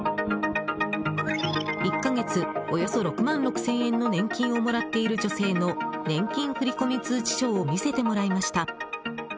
１か月およそ６万６０００円の年金をもらっている女性の年金振込通知書を見せてもらいました。